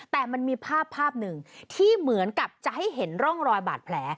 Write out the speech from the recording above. แต่มันมีภาพภาพหนึ่งที่เหมือนกับจะให้เห็นร่องรอยบาดแผล